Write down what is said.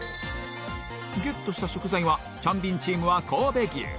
ゲットした食材はチャンビンチームは神戸牛